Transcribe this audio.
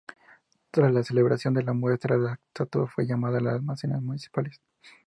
Tras la celebración de la muestra, la estatua fue llevada a los almacenes municipales.